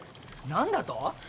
何だと？